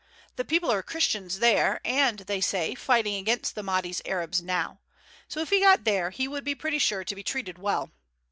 The people are Christians there, and, they say, fighting against the Mahdi's Arabs now; so if he got there he would be pretty sure to be treated well.